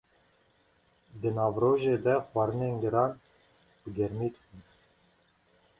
Di navrojê de xwarinên giran, bi germî dixwin.